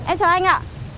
em chào anh ạ